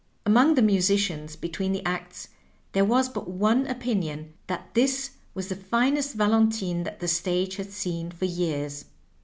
Among the musicians between the acts there was but one opinion, that this was the finest Valentine that the stage had seen for years.